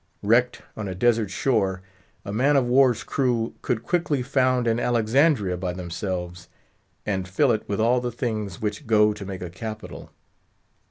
Wrecked on a desert shore, a man of war's crew could quickly found an Alexandria by themselves, and fill it with all the things which go to make up a capital.